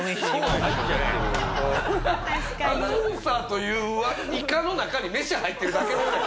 アナウンサーといういかの中にめし入ってるだけの話。